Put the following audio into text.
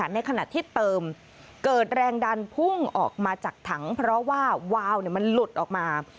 ในขณะที่เติมเกิดแรงดันพุ่งออกมาจากถังเพราะว่าวาวมันหลุดออกมา